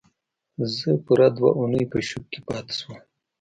زه پوره دوه اونۍ په شوک کې پاتې شوم